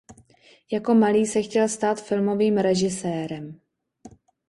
Jako malý se chtěl stát filmovým režisérem.